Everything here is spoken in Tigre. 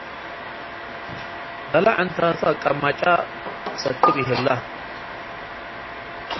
ደለ ዕንታቱ አቀመጨ ሰክብ ይሀለ።